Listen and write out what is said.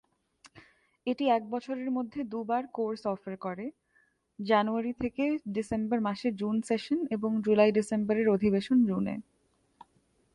এটি এক বছরের মধ্যে দু'বার কোর্স অফার করে, জানুয়ারী থেকে ডিসেম্বর মাসে জুন সেশন এবং জুলাই-ডিসেম্বরের অধিবেশন জুনে।